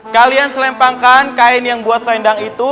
kalian selempangkan kain yang buat selendang itu